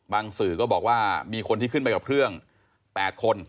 สื่อก็บอกว่ามีคนที่ขึ้นไปกับเครื่อง๘คน